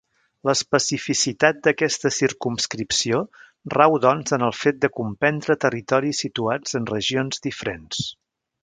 L'especificitat d'aquesta circumscripció rau doncs en el fet de comprendre territoris situats en regions diferents.